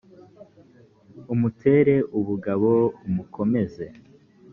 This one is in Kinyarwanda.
umutere ubugabo umukomeze